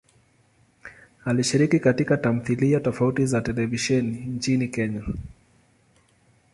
Alishiriki katika tamthilia tofauti za televisheni nchini Kenya.